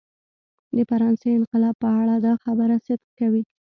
د فرانسې انقلاب په اړه دا خبره صدق کوي.